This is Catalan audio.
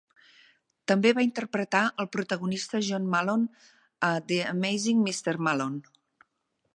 També va interpretar al protagonista John Malone a "The Amazing Mr. Malone".